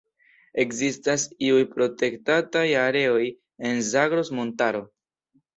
Ekzistas iuj protektataj areoj en Zagros-Montaro.